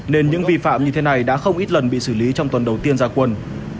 nên những vi phạm như thế này đã không ít lần bị xử lý trong tuần đầu tiên ra quân